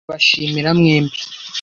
nkabashimira mwembi